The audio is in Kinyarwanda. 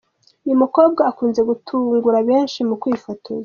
Uyu mukobwa akunze gutungura benshi mu kwifotoza.